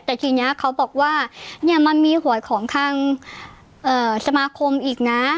แต่ทีนี้เขาบอกว่าเนี่ยมันมีหวยของทางสมาคมอีกนะ